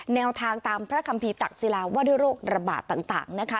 แนวทางตามพระคัมภีร์ตักศิลาว่าด้วยโรคระบาดต่างนะคะ